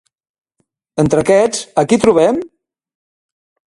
Entre aquests, a qui trobem?